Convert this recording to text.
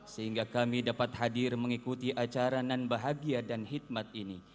sehingga kami dapat hadir mengikuti acara nanbahagia dan hikmat ini